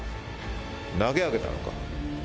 投げ上げたのか？